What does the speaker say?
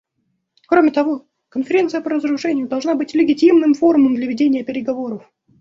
Кроме того, Конференция по разоружению должна быть легитимным форумом для ведения переговоров.